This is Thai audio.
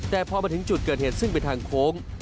แต่พอมาถึงจุดเกิดเหตุซึ่งเป็นทางโค้ง